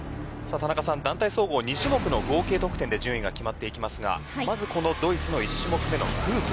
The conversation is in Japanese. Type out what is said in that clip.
田中さん、団体総合２種目の合計得点で順位が決まっていきますがまずドイツの１種目めのフープ。